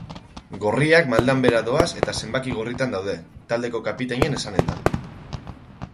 Gorriak maldan behera doaz eta zenbaki gorritan daude, taldeko kapitainen esanetan.